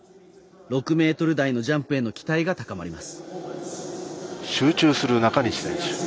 ６メートル台のジャンプへの期待が高まります。